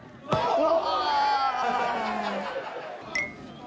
うわ。